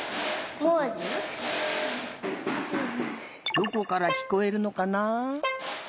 どこからきこえるのかな？